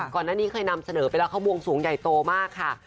ก่อนหน้านี้เคยนำเสนอไปแล้วเขาบวงสวงใหญ่โตมากค่ะ